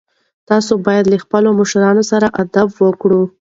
تاسو باید له خپلو مشرانو سره ادب وکړئ.